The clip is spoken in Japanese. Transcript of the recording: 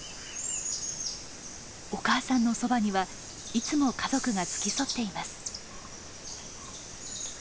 お母さんのそばにはいつも家族が付き添っています。